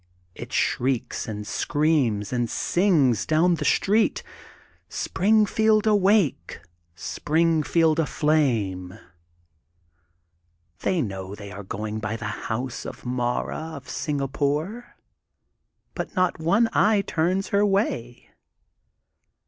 It shrieks and screams and sings down the street: *' Springfield Awake! Springfield Aflame !^^ They know they are going by the house of Mara of Singapore but not one eye turns her way.